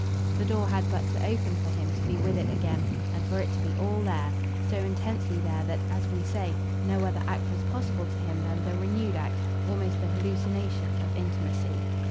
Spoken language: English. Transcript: The door had but to open for him to be with it again and for it to be all there; so intensely there that, as we say, no other act was possible to him than the renewed act, almost the hallucination, of intimacy.